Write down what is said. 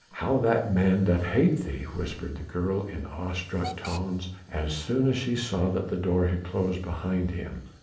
"How that man doth hate thee," whispered the girl in awe struck tones, as soon as she saw that the door had closed behind him.